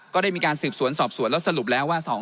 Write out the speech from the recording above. ก็ได้มีการสืบสวนสอบสวนแล้วสรุปแล้วว่า